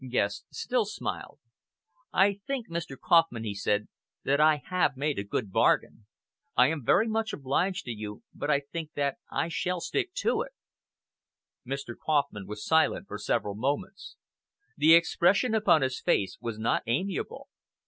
Guest still smiled. "I think, Mr. Kauffman," he said, "that I have made a good bargain. I am very much obliged to you, but I think that I shall stick to it!" Mr. Kauffman was silent for several moments. The expression upon his face was not amiable.